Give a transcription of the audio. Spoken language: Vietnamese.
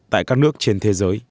tại các nước trên thế giới